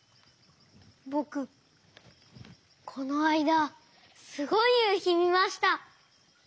ぼくこのあいだすごいゆうひみました！